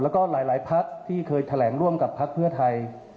แล้วก็หลายพักที่เคยแถลงร่วมกับพักเพื่อไทย